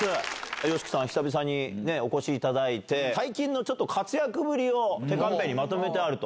ＹＯＳＨＩＫＩさんは久々にお越しいただいて、最近のちょっと活躍ぶりを、簡単にまとめてあると。